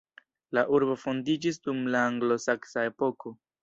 La urbo fondiĝis dum la anglosaksa epoko.